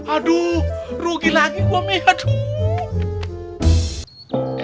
aduh rugi lagi gue mi aduh